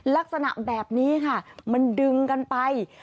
ลักษณะแบบนี้ค่ะมันดึงกันไป